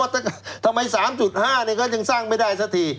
แต่ทำไม๓๕ก็ยังสร้างไม่ได้สักที